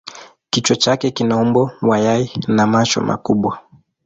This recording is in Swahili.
Kichwa chake kina umbo wa yai na macho makubwa.